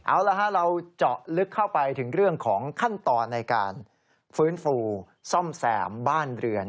เอาละฮะเราเจาะลึกเข้าไปถึงเรื่องของขั้นตอนในการฟื้นฟูซ่อมแสมบ้านเรือน